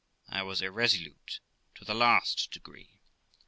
I was irresolute to the last degree.